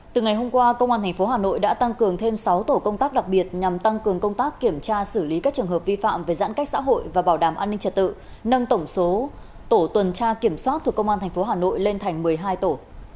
từ ngày hôm qua công an tp hà nội đã tăng cường thêm sáu tổ công tác đặc biệt nhằm tăng cường công tác kiểm tra xử lý các trường hợp vi phạm về giãn cách xã hội và bảo đảm an ninh trật tự nâng tổng số tổ tuần tra kiểm soát thuộc công an tp hà nội lên thành một mươi hai tổ